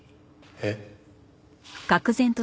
えっ？